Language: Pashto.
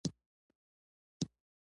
میرويس وپوښتل بازار څنګه دی اوس زور لري؟